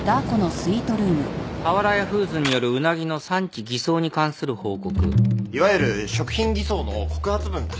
「俵屋フーズによるうなぎの産地偽装に関する報告」いわゆる食品偽装の告発文だ。